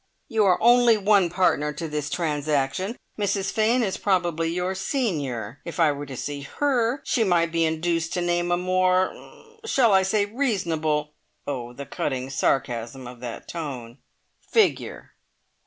"You are only one partner to this transaction. Mrs Fane is probably your senior. If I were to see her, she might be induced to name a more er shall I say reasonable (oh, the cutting sarcasm of that tone!) figure."